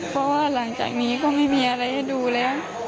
เพราะว่าหลังจากนี้ก็ไม่มีอะไรให้ดูแล้ว